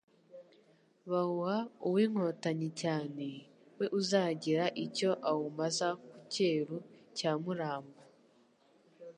Bawuha uw'inkotanyi cyane, We uzagira icyo awumaza ku Cyeru cya Muramba.